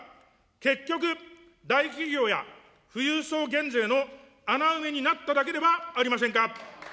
結局、大企業や富裕層減税の穴埋めになっただけではありませんか。